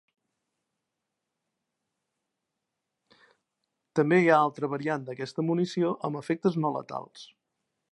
També hi ha altra variant d'aquesta munició amb efectes no letals.